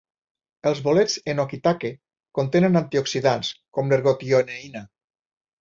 Els bolets Enokitake contenen antioxidants, com l'ergotioneïna.